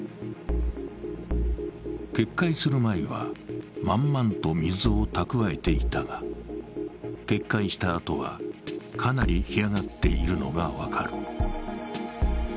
決壊する前は満々と水を蓄えていたが、決壊したあとはかなり干上がっているのが分かる。